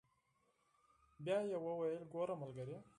بيا يې وويل ګوره ملګريه.